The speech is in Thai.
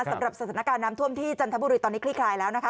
สำหรับสถานการณ์น้ำท่วมที่จันทบุรีตอนนี้คลี่คลายแล้วนะคะ